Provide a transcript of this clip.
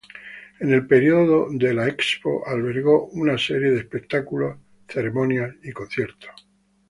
En el período de la Expo albergó una serie de espectáculos, ceremonias y conciertos.